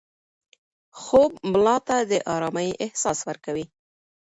خوب ملا ته د ارامۍ احساس ورکوي.